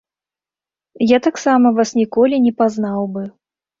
Я таксама вас ніколі не пазнаў бы.